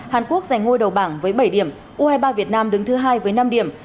hàn quốc giành ngôi đầu bảng với bảy điểm u hai mươi ba việt nam đứng thứ hai với năm điểm